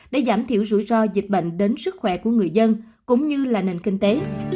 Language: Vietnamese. để giảm thiểu rủi ro dịch bệnh đến sức khỏe của người dân cũng như là nền kinh tế